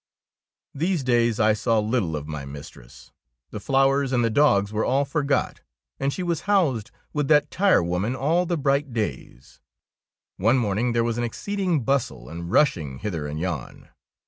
'^ These days I saw little of my mis tress. The flowers and the dogs were all forgot, and she was housed with that tirewoman all the bright days. One morning there was an exceeding bustle and rushing hither and yon.